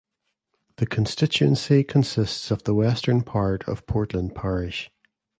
The constituency consists of the western part of Portland Parish.